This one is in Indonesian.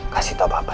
kasih tau papa